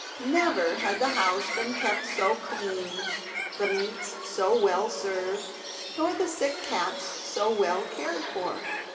Never had the house been kept so clean, the meats so well served, nor the sick cats so well cared for.